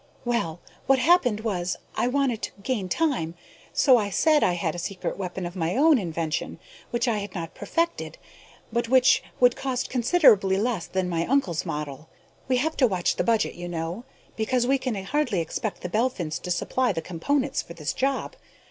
Well, what happened was I wanted to gain time, so I said I had a secret weapon of my own invention which I had not perfected, but which would cost considerably less than my uncle's model. We have to watch the budget, you know, because we can hardly expect the Belphins to supply the components for this job.